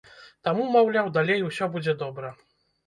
Таму, маўляў, далей усё будзе добра.